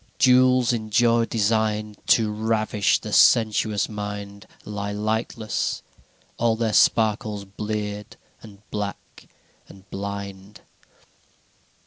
IV Jewels in joy designed To ravish the sensuous mind Lie lightless, all their sparkles bleared and black and blind.